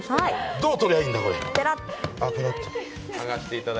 どう取りゃいいんだ、これ。